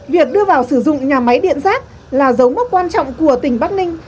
việc đưa vào sử dụng nhà máy điện rác là dấu mốc quan trọng của tỉnh bắc ninh